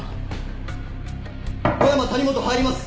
・・尾山谷本入ります！